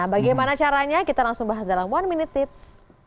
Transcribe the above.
bagaimana caranya kita langsung bahas dalam one minute tips